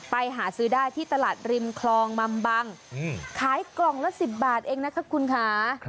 ไปหาซื้อได้ที่ตลาดริมคลองมัมบังขายกล่องละ๑๐บาทเองนะคะคุณค่ะ